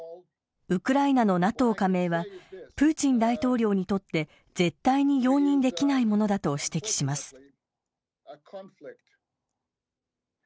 ウクライナのＮＡＴＯ加盟はプーチン大統領にとって絶対に容認できないものだと指摘します。